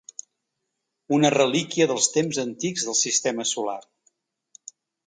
Una relíquia dels temps antics del sistema solar.